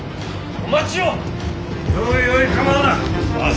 お待ちを。